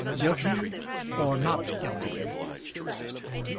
GUILTY, OR NOT GUILTY.